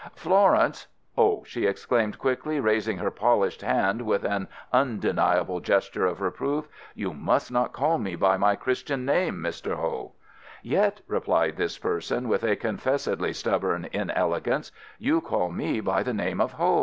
"Florence " "Oh," she exclaimed quickly, raising her polished hand with an undeniable gesture of reproof, "you must not call me by my christian name, Mr. Ho." "Yet," replied this person, with a confessedly stubborn inelegance, "you call me by the name of Ho."